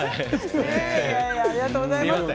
ありがとうございます。